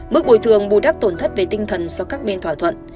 mức bồi thường bù đắp tổn thất về tinh thần do các bên thỏa thuận